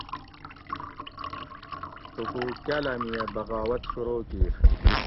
تھوکو کاۤلاۤمیہ بغاوت شروع کیر